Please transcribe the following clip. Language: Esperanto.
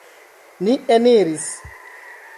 Ni eniris.